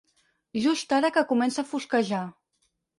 Just ara que comença a fosquejar.